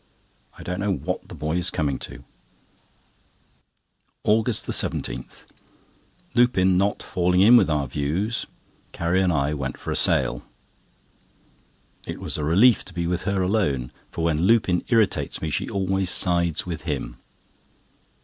I don't know what the boy is coming to. AUGUST 17.—Lupin not falling in with our views, Carrie and I went for a sail. It was a relief to be with her alone; for when Lupin irritates me, she always sides with him.